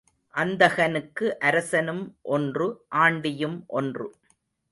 அந்தகனுக்கு அரசனும் ஒன்று ஆண்டியும் ஒன்று.